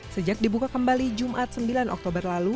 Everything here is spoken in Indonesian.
sejak dibuka kembali jumat sembilan oktober lalu